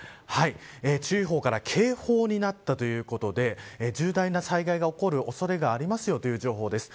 注意報から警報になったということで重大な災害が起きる恐れがあるという情報です。